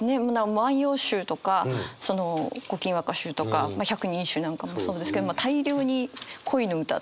「万葉集」とか「古今和歌集」とか「百人一首」なんかもそうですけど大量に恋の歌って。